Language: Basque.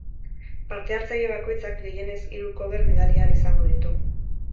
Parte-hartzaile bakoitzak gehienez hiru cover bidali ahal izango ditu.